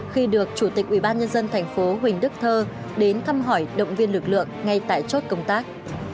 khi được chủ tịch ubnd tp huỳnh đức thơ đến thăm hỏi động viên lực lượng ngay tại chốt công tác